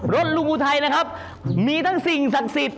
ลุงอุทัยนะครับมีทั้งสิ่งศักดิ์สิทธิ